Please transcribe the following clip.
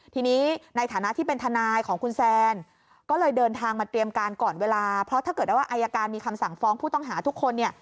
ทีนี้ในฐานะที่เป็นทนายของคุณแซนก็เลยเดินทางมาเตรียมการก่อนเวลาเพราะถ้าเกิดว่าอายการมีคำสั่งฟ้องผู้ต้องหาทุกคนเนี่ย